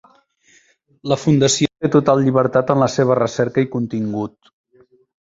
La fundació té total llibertat en la seva recerca i contingut.